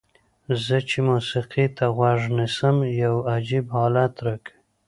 زه چې موسیقۍ ته غوږ نیسم یو عجیب حالت راکوي.